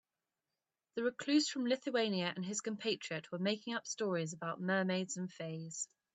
The recluse from Lithuania and his compatriot were making up stories about mermaids and fays.